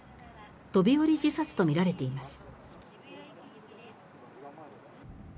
飛び降り自殺とみられています。